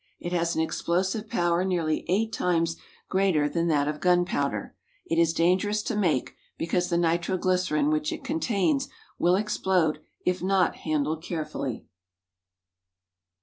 It has an explosive power nearly eight times greater than that of gun powder. It is dangerous to make, because the nitro glycerine which it contains will explode if not handled carefully.